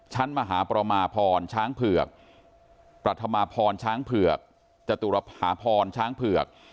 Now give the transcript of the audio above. มหาประมาพรช้างเผือกปรัฐมาพรช้างเผือกจตุรภาพรช้างเผือก